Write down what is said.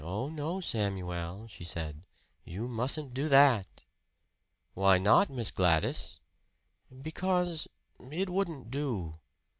"Oh, no, Samuel," she said "you mustn't do that!" "Why not, Miss Gladys?" "Because it wouldn't do."